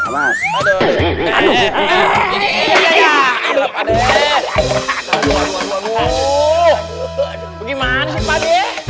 bagaimana sih pak d